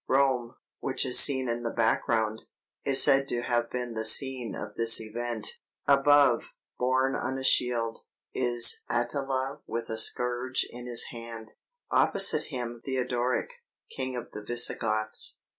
Rome, which is seen in the background, is said to have been the scene of this event. Above, borne on a shield, is Attila with a scourge in his hand; opposite him Theodoric, king of the Visigoths.